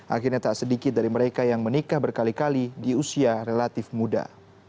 akhirnya tak sedikit dari mereka yang menikah berkali kali di usia relatif muda